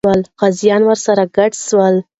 غازیان ورسره ګډ سول.